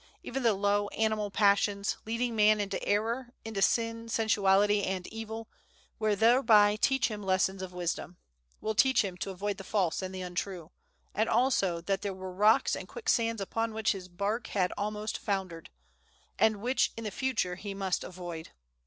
Even the low, animal passions, leading man into error, into sin, sensuality, and evil, will thereby teach him lessons of wisdom; will teach him to avoid the false and the untrue, and also that there were rocks and quicksands upon which his bark had almost foundered, and which in the future he must avoid.